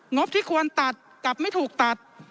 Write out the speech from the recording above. งบที่ควรตัดกับไม่ถูกตัด